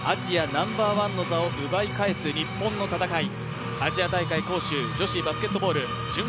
ナンバーワンの座を奪い返す日本の戦い。